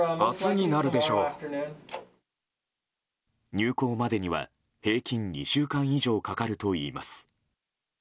入港までには平均２週間以上かかるといいます。